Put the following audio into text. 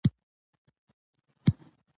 او هر هغه چا نه چې زما د زړه ټوټې دي،